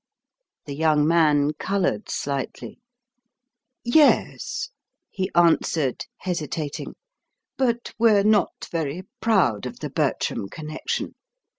The young man coloured slightly. "Ye es," he answered, hesitating; "but we're not very proud of the Bertram connection.